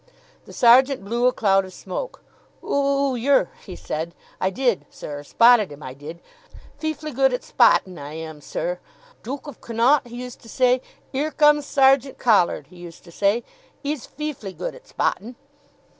The sergeant blew a cloud of smoke. "Oo oo oo, yer," he said; "I did, sir spotted 'im, I did. Feeflee good at spottin', I am, sir. Dook of Connaught, he used to say, ''Ere comes Sergeant Collard,' he used to say, ''e's feeflee good at spottin'.